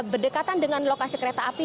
berdekatan dengan lokasi kereta api